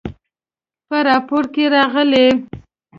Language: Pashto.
په راپور کې راغلي